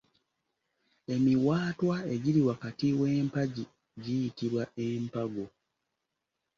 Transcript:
Emiwaatwa egiri wakati w'empagi giyitibwa empago.